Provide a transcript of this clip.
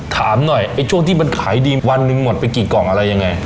ถามหน่อยไอ้ช่วงที่มันขายดีวันหนึ่งหมดไปกี่กล่องอะไรยังไง